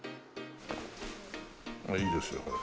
いいですよこれ。